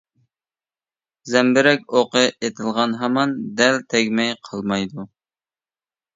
زەمبىرەك ئوقى ئېتىلغان ھامان دەل تەگمەي قالمايدۇ.